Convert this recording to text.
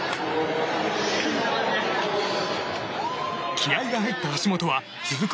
気合が入った橋本は続く